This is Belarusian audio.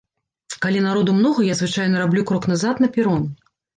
Калі народу многа, я звычайна раблю крок назад на перон.